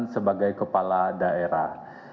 sebagai kepala daerah